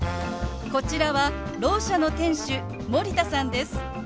こちらはろう者の店主森田さんです。